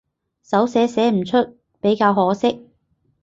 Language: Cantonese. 手寫寫唔出比較可惜